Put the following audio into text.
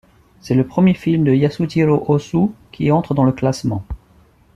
C'est le premier film de Yasujirō Ozu qui entre dans ce classement.